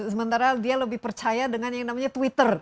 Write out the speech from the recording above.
sementara dia lebih percaya dengan yang namanya twitter